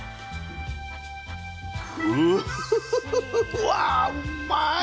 うわうまいッ！